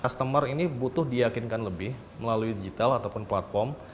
customer ini butuh diyakinkan lebih melalui digital ataupun platform